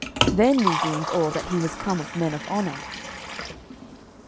Then we deemed all that he was come of men of honour."